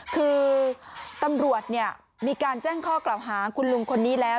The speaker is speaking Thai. คือตำรวจมีการแจ้งข้อกล่าวหาคุณลุงคนนี้แล้ว